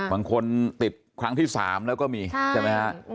บางคนติดครั้งที่๓แล้วก็มีใช่ไหมฮะ